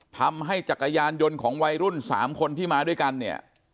จักรยานยนต์ของวัยรุ่น๓คนที่มาด้วยกันเนี่ย